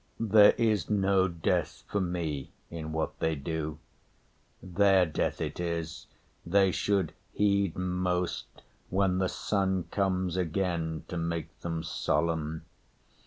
There is no death For me in what they do. Their death it is They should heed most when the sun comes again To make them solemn.